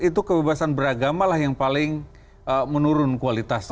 itu kebebasan beragamalah yang paling menurun kualitasnya